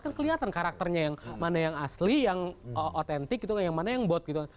kan kelihatan karakternya yang mana yang asli yang otentik gitu yang mana yang bot gitu